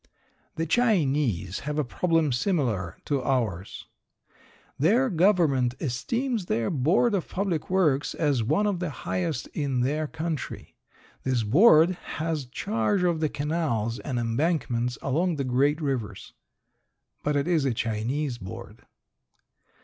The Chinese have a problem similar to ours. Their government esteems their board of public works as one of the highest in their country. This board has charge of the canals and embankments along the great rivers. But it is a Chinese board.